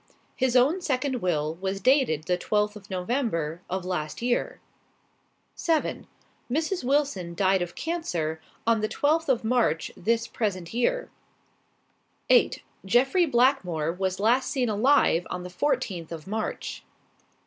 His own second will was dated the twelfth of November of last year. "7. Mrs. Wilson died of cancer on the twelfth of March this present year. "8. Jeffrey Blackmore was last seen alive on the fourteenth of March.